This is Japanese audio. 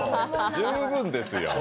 十分ですよ。